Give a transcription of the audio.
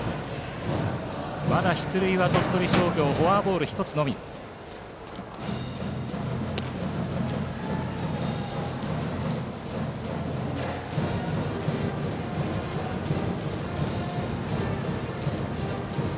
まだ出塁は鳥取商業フォアボール１つのみです。